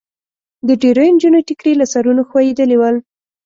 د ډېریو نجونو ټیکري له سرونو خوېدلي ول.